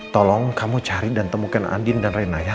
tolong kamu cari dan temukan andin dan reina ya